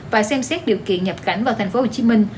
và xem xét điều kiện nhập cảnh vào thành phố hồ chí minh